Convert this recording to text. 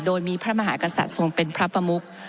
โดยมีพระมหากษัตริย์ทรงเป็นพระประมุก